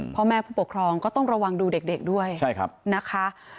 พ่อแม่ผู้ปกครองก็ต้องระวังดูเด็กด้วยนะคะ